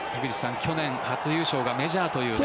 去年、初優勝がメジャーという。